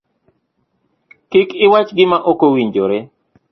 Kik iwach gima okowinjore